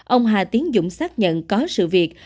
ông hà tiến dũng xác nhận có sự việc